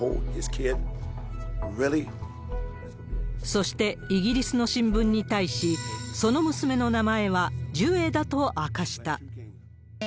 そして、イギリスの新聞に対し、その娘の名前はジュエだと明かした。